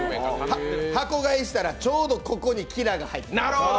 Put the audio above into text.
箱買いしたら、ちょうどここに吉良が入ってた。